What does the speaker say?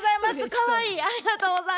かわいい？